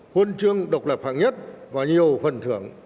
huân chương độc lập hạng nhất và nhiều phần thưởng